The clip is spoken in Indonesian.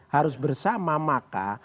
harus bersama maka